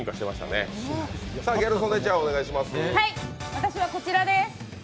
私はこちらです。